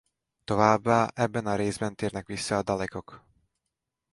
Továbbá ebben a részben térnek vissza a dalekok.